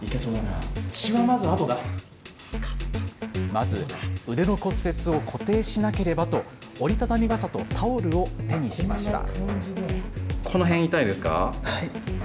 まず腕の骨折を固定しなければと折り畳み傘とタオルを手にしました。